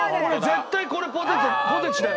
絶対これポテトポテチだよ。